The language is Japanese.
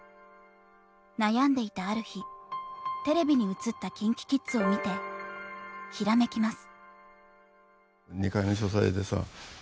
悩んでいたある日テレビに映ったＫｉｎＫｉＫｉｄｓを見てひらめきます。